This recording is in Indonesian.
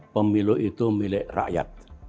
pemilu itu milik rakyat